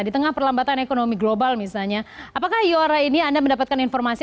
di tengah perlambatan ekonomi global misalnya apakah iora ini anda mendapatkan informasi